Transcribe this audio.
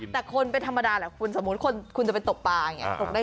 แต่คนเป็นธรรมดาแหละคุณสมมุติคุณจะไปตกปลาอย่างนี้